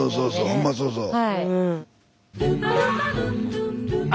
ほんまそうそう。